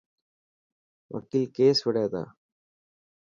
وڪيل ڪيس وڙي تا.